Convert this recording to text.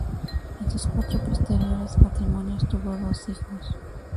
En sus cuatro posteriores matrimonios tuvo dos hijos.